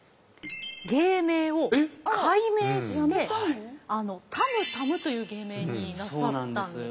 芸名を改名してたむたむという芸名になさったんです。